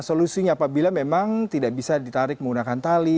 solusinya apabila memang tidak bisa ditarik menggunakan tali